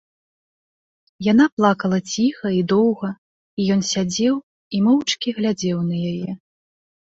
Яна плакала ціха і доўга, і ён сядзеў і моўчкі глядзеў на яе.